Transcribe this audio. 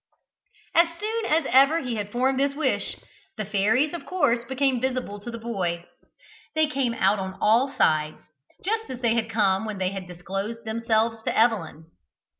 As soon as ever he had formed this wish, the fairies of course became visible to the boy. They came out on all sides, just as they had come when they had disclosed themselves to Evelyn.